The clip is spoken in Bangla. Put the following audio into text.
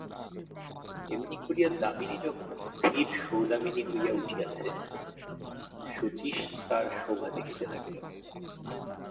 এমনি করিয়া দামিনী যখন স্থির সৌদামিনী হইয়া উঠিয়াছে শচীশ তার শোভা দেখিতে লাগিল।